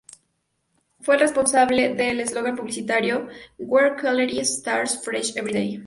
Fue el responsable del eslogan publicitario: "Where Quality Starts Fresh Every Day.